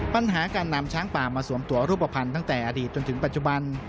ปัญหาการนำช้างป่ามาสวมตัวรูปภัณฑ์ตั้งแต่อดีตจนถึงปัจจุบัน